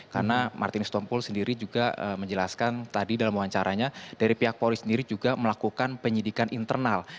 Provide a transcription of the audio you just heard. karena martinus hitompul sendiri juga menjelaskan tadi dalam wawancaranya dari pihak polri sendiri juga melakukan penyidikan internal